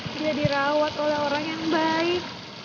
sehingga dirawat oleh orang yang baik